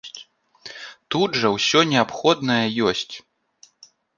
Тут жа ўсё неабходнае ёсць.